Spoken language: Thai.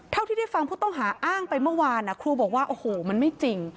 เท่าที่ได้ฟังผู้ต้องหาอ้างไปเมื่อวานครูบอกว่าโอ้โหมันไม่จริง